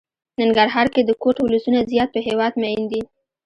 ننګرهار کې د کوټ ولسونه زيات په هېواد ميئن دي.